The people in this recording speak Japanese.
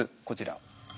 こちら。